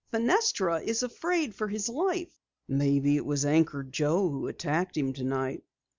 Fenestra is afraid for his life." "Maybe it was Anchor Joe who attacked him tonight."